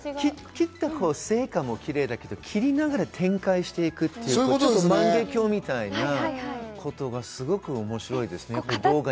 切った成果もキレイだけど、切りながら展開していく万華鏡みたいなことがすごく面白いですね。